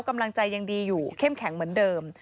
กำลังใจยังดีอยู่เข้มแข็งเหมือนเดิม